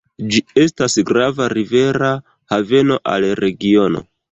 Ĝi estas grava rivera haveno al regiono.